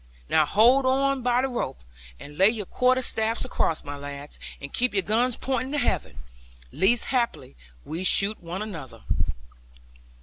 'Now hold on by the rope, and lay your quarter staffs across, my lads; and keep your guns pointing to heaven, lest haply we shoot one another.'